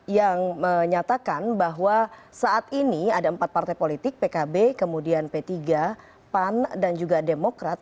yang menyatakan bahwa saat ini ada empat partai politik pkb kemudian p tiga pan dan juga demokrat